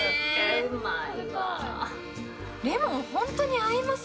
レモン、本当に合います？